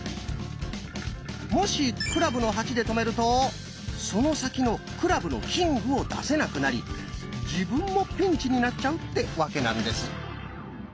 もし「クラブの８」で止めるとその先の「クラブのキング」を出せなくなり自分もピンチになっちゃうってわけなんです。